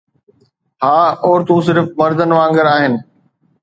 ها، عورتون صرف مردن وانگر آهن